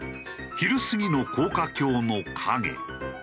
昼過ぎの高架橋の影。